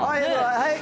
はい。